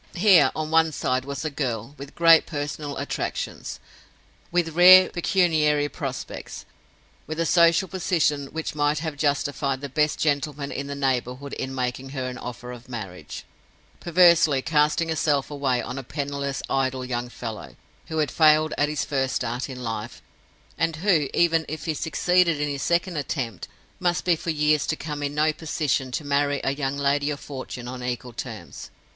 Here, on one side, was a girl—with great personal attractions, with rare pecuniary prospects, with a social position which might have justified the best gentleman in the neighborhood in making her an offer of marriage—perversely casting herself away on a penniless idle young fellow, who had failed at his first start in life, and who even if he succeeded in his second attempt, must be for years to come in no position to marry a young lady of fortune on equal terms.